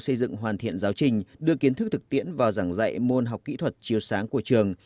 xây dựng hoàn thiện giáo trình đưa kiến thức thực tiễn vào giảng dạy môn học kỹ thuật chiếu sáng của trường